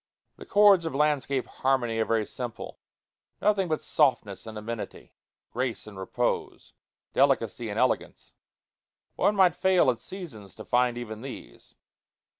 The chords of landscape harmony are very simple; nothing but softness and amenity, grace and repose, delicacy and elegance. One might fail at seasons to find even these.